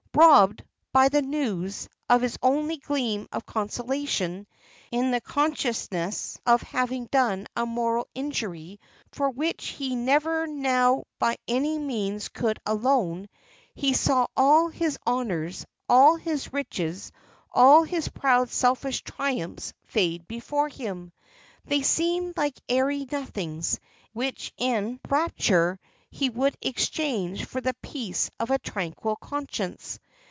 Robbed, by this news, of his only gleam of consolation in the consciousness of having done a mortal injury for which he never now by any means could atone, he saw all his honours, all his riches, all his proud selfish triumphs fade before him! They seemed like airy nothings, which in rapture he would exchange for the peace of a tranquil conscience!